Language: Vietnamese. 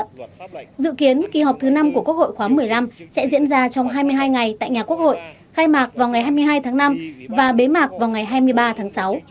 trước đó dự án luật pháp lệnh dự kiến kỳ họp thứ năm của quốc hội khóa một mươi năm sẽ diễn ra trong hai mươi hai ngày tại nhà quốc hội khai mạc vào ngày hai mươi hai tháng năm và bế mạc vào ngày hai mươi ba tháng sáu